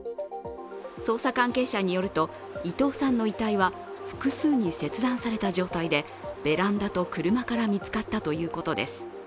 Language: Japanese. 捜査関係者によると、伊藤さんの遺体は複数に切断された状態でベランダと車から見つかったということです。